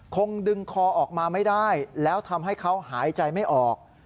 คงดึงคอออกมาไม่ได้แล้วทำให้เขาหายใจไม่ออก